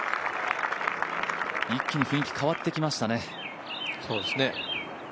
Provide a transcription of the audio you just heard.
一気に雰囲気変わってきましたね。